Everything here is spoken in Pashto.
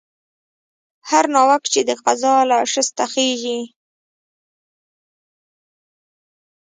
هر ناوک چې د قضا له شسته خېژي.